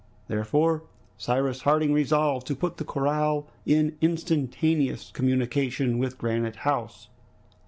Therefore Cyrus Harding resolved to put the corral in instantaneous communication with Granite House.